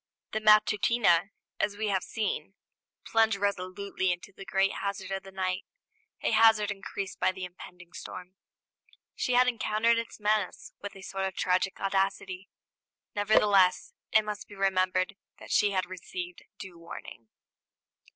The Matutina, as we have seen, plunged resolutely into the great hazard of the night, a hazard increased by the impending storm. She had encountered its menace with a sort of tragic audacity; nevertheless, it must be remembered that she had received due warning.